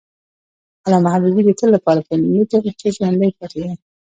علامه حبیبي د تل لپاره په علمي تاریخ کې ژوندی پاتي دی.